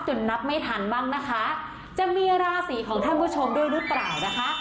นับไม่ทันบ้างนะคะจะมีราศีของท่านผู้ชมด้วยหรือเปล่านะคะ